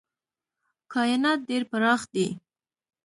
کاینات ډېر پراخ دي.